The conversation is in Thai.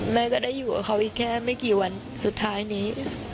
แม่ก็ได้อยู่กับเขาอีกแค่ไม่กี่วันสุดท้ายนี้